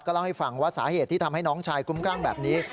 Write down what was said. เล่าให้ฟังว่าสาเหตุที่ทำให้น้องชายคุ้มครั่งแบบนี้